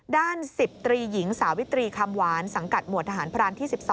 ด้าน๑๐ตรีหญิงสาวิตรีคำหวานสังกัดหมวดทหารพรานที่๑๒